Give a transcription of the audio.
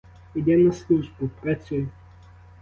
Іди на службу — працюй.